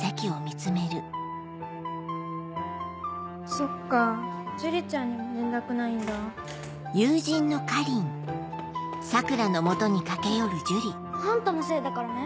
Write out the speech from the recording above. そっか樹里ちゃんにも連絡ないんだ。あんたのせいだからね。